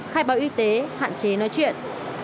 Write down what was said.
khai báo y tế hạn chế nói chuyện